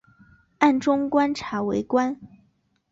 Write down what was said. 暗中观察围观